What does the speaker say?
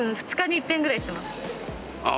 ああ。